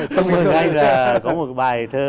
chúc mừng anh là có một bài thơ